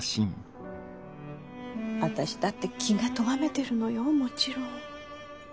私だって気がとがめてるのよもちろん。